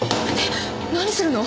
何するの？